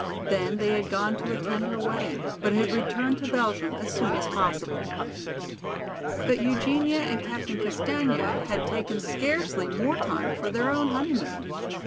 Then they had gone to attend her wedding, but had returned to Belgium as soon as possible. But Eugenia and Captain Castaigne had taken scarcely more time for their own honeymoon.